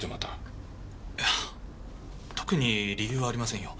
いや特に理由はありませんよ。